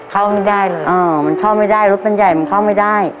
เข้าไม่ได้เลยอ๋อมันเข้าไม่ได้รถมันใหญ่มันเข้าไม่ได้